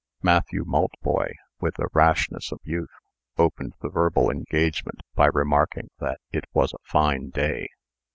Matthew Maltboy, with the rashness of youth, opened the verbal engagement, by remarking that it was a fine day.